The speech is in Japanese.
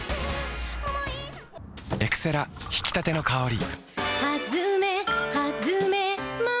エクセラ、ひきたての香り。